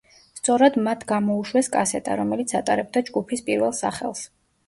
სწორად მათ გამოუშვეს კასეტა, რომელიც ატარებდა ჯგუფის პირველ სახელს.